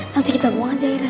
nanti kita buang aja airnya